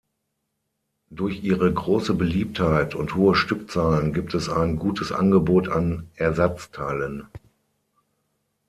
Durch ihre grosse Beliebtheit und hohe Stückzahlen gibt es ein gutes Angebot an Ersatzteilen.